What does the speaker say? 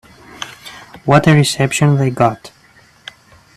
What a reception they got.